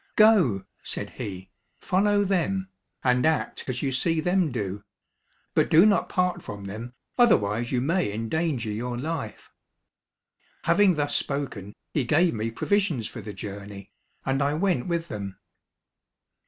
"Go," said he, "follow them, and act as you see them do; but do not part from them, otherwise you may endanger your life." Having thus spoken, he gave me provisions for the journey, and I went with them.